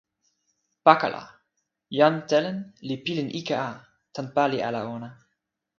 pakala, jan Telen li pilin ike a tan pali ala ona.